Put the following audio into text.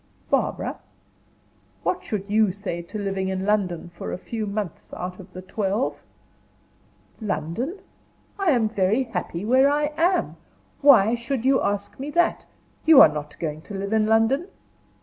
"Barbara, what should you say to living in London for a few months out of the twelve?" "London? I am very happy where I am. Why should you ask me that? You are not going to live in London?"